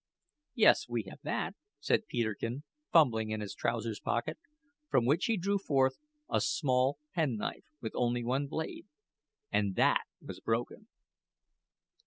"Yes, we have that," said Peterkin, fumbling in his trousers pocket, from which he drew forth a small penknife with only one blade, and that was broken.